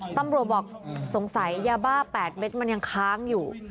ตำรวจบอกสงสัยยาบ้า๘เม็ดมันยังค้างอยู่